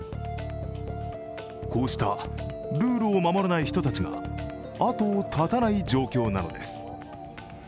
こうしたルールを守らない人たちが後を絶たない状況なのです。